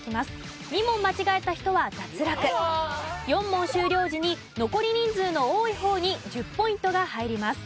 ４問終了時に残り人数の多い方に１０ポイントが入ります。